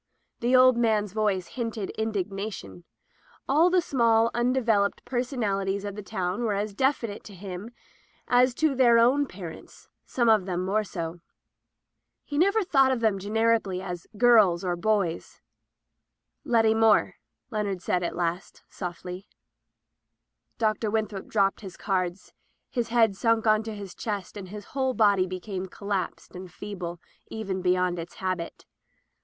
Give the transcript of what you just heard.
The old man's voice hinted indignation. All the small undeveloped personalities of the town were as definite to him as to their own parents — some of them more so. He [ 394 ] Digitized by LjOOQ IC At Ephesus never thought of them genetically z% "girls'* or "boys/' "Letty Moore/* said Leonard at last, softly. Dr. Winthrop dropped his cards. His head sunk on his chest, his whole body became collapsed and feeble even beyond its habit.